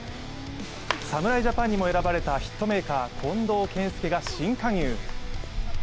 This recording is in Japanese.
侍ジャパンにも選ばれたヒットメーカー、近藤健介が新加入。